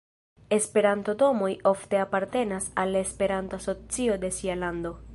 Esperanto-domoj ofte apartenas al la Esperanto-asocio de sia lando.